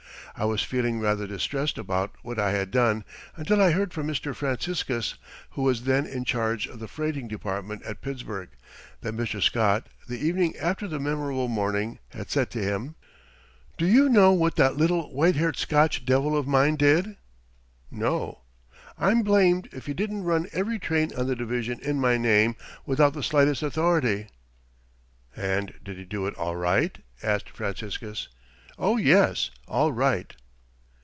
I was feeling rather distressed about what I had done until I heard from Mr. Franciscus, who was then in charge of the freighting department at Pittsburgh, that Mr. Scott, the evening after the memorable morning, had said to him: "Do you know what that little white haired Scotch devil of mine did?" "No." "I'm blamed if he didn't run every train on the division in my name without the slightest authority." "And did he do it all right?" asked Franciscus. "Oh, yes, all right."